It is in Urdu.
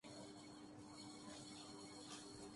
میں اپنی زندگی کو معنویت اور تواضع کے ساتھ گزارتا ہوں۔